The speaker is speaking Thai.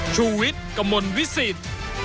ชุวิตกมลวิสิต